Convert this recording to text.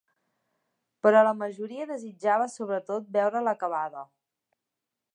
Però la majoria desitjava sobretot veure-la acabada.